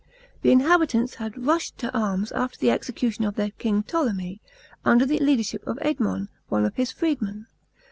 The inhabitants had rushed to arms after the execution of their king Ptolemy, under the leadership of JSderaon, one of his freedmeu.